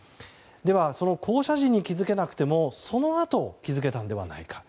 では、降車時に気づけなくてもそのあと気づけたのではないか。